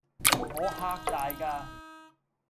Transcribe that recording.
我嚇大㗎